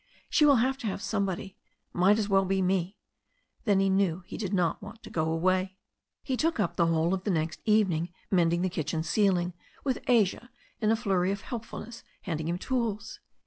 She will have to have somebody. Might as well be me." Then he knew he did not want to go away. He took up the whole of the next evening mending the kitchen ceiling, with Asia in a flurry of helpfulness handing him tools.